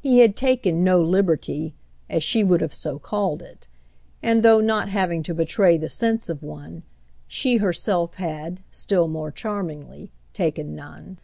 He had taken no liberty, as she would have so called it; and, through not having to betray the sense of one, she herself had, still more charmingly, taken none.